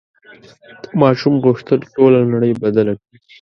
ماشوم غوښتل ټوله نړۍ بدله کړي.